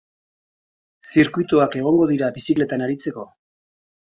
Zirkuituak egongo dira bizikletan aritzeko.